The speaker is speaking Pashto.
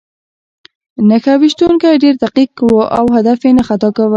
نښه ویشتونکی ډېر دقیق و او هدف یې نه خطا کاوه